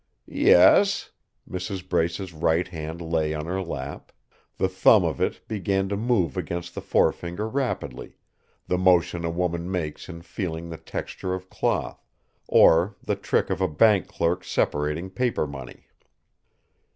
"Yes?" Mrs. Brace's right hand lay on her lap; the thumb of it began to move against the forefinger rapidly, the motion a woman makes in feeling the texture of cloth or the trick of a bank clerk separating paper money.